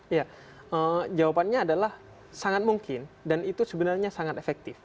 ya jawabannya adalah sangat mungkin dan itu sebenarnya sangat efektif